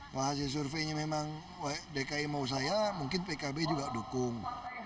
kalau hasil surveinya memang dki mau saya mungkin pkb juga dukung